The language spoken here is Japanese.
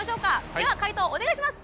では解答お願いします！